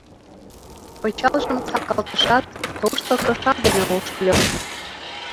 Пычалжым сакалтышат, тошто кыша дене ошкыльо.